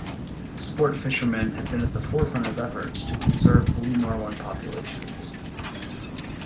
Sport fishermen have been at the forefront of efforts to conserve blue marlin populations.